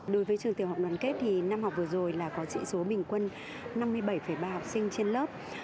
đối với trường tiểu học đoàn kết thì năm học vừa rồi là có sĩ số bình quân năm mươi bảy ba học sinh trên lớp